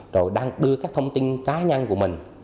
rồi đang đưa các thông tin cá nhân của mình